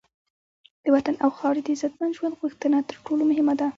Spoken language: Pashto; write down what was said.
د وطن او خاوره د عزتمند ژوند غوښتنه تر ټولو مهمه ده.